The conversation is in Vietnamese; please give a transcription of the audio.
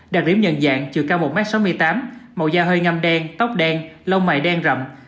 đặc điểm nhận dạng chiều cao một m sáu mươi tám màu da ngâm đen tóc đen lông mại đen rậm